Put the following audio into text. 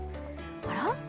あら？